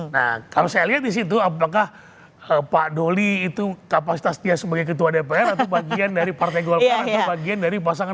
nah kalau saya lihat di situ apakah pak doli itu kapasitas dia sebagai ketua dpr atau bagian dari partai golkar atau bagian dari pasangan